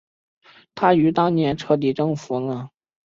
他于当年彻底征服了拉希德家族的杰拜勒舍迈尔酋长国。